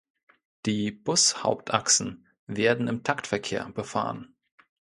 Die Bus-Hauptachsen werden im Taktverkehr befahren.